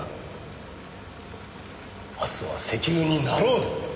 「明日は石油になろう」だ。